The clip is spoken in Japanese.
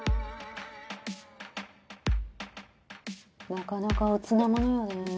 なかなか乙なものよね